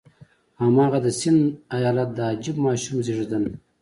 هماغه د سند ایالت د عجیب ماشوم زېږېدنه ده.